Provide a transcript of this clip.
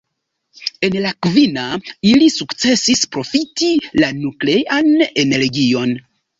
En la kvina, ili sukcesis profiti la nuklean energion.